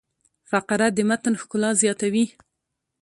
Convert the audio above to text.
فقره د متن ښکلا زیاتوي.